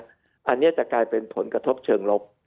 อันนี้จะกลายเป็นผลกระทบเชิงลบ